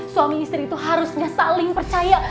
suami istri itu harusnya saling percaya